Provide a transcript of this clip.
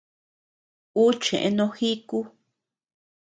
Ú cheʼë no jíku.